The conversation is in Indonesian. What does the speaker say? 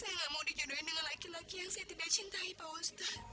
saya nggak mau dijodohin dengan laki laki yang saya tidak cintai pak ustadz